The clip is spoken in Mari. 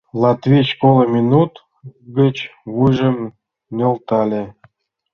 Латвич — коло минут гыч вуйжым нӧлтале.